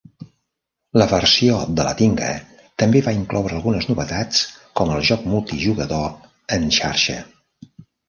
La versió de Latinga també va incloure algunes novetats com el joc multijugador en xarxa.